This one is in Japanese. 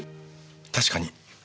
確かに。